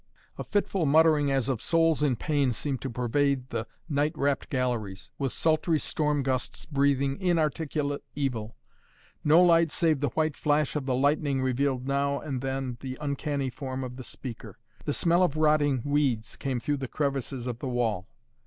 A fitful muttering as of souls in pain seemed to pervade the night wrapped galleries, with sultry storm gusts breathing inarticulate evil. No light save the white flash of the lightning revealed now and then the uncanny form of the speaker. The smell of rotting weeds came through the crevices of the wall.